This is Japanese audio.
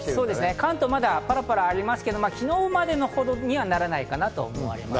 関東はまだパラパラありますけど、昨日ほどにはならないかなと思います。